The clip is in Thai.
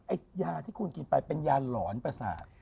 ยาที่คุณกินไปเป็นยาหลอนประสาท